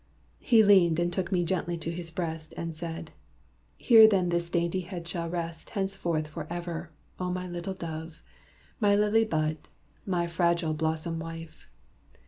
He leaned and took me gently to his breast, And said, 'Here then this dainty head shall rest Henceforth forever: O my little dove! My lily bud my fragile blossom wife!'